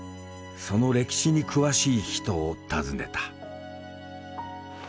その歴史に詳しい人を訪ねた。